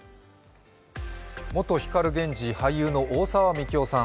元光ＧＥＮＪＩ、俳優の大沢樹生さん